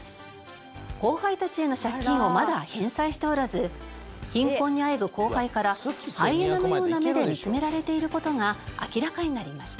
後輩たちへの借金をまだ返済しておらず貧困にあえぐ後輩からハイエナのような目で見つめられている事が明らかになりました。